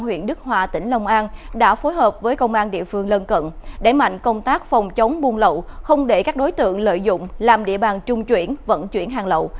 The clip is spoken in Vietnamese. huyện đức hòa tỉnh long an đã phối hợp với công an địa phương lân cận đẩy mạnh công tác phòng chống buôn lậu không để các đối tượng lợi dụng làm địa bàn trung chuyển vận chuyển hàng lậu